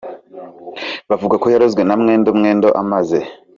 bavuga ko yarozwe na Mwendo, Mwendo amaze